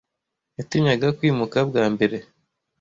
Yatinyaga kwimuka bwa mbere.